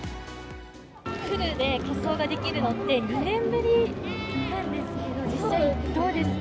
フルで仮装ができるのって、２年ぶりなんですけど、実際どうですか？